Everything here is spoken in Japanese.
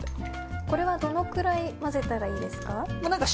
これは、どのぐらい混ぜたらいいですか？